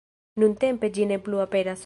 Nuntempe ĝi ne plu aperas.